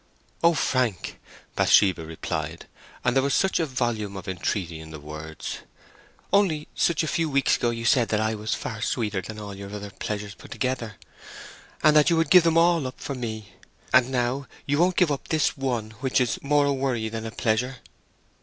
"Oh, Frank!" Bathsheba replied, and there was such a volume of entreaty in the words. "Only such a few weeks ago you said that I was far sweeter than all your other pleasures put together, and that you would give them all up for me; and now, won't you give up this one, which is more a worry than a pleasure?